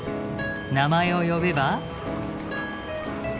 名前を呼べば。